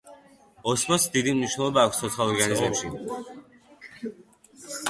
ოსმოსს დიდი მნიშვნელობა აქვს ცოცხალ ორგანიზმებში.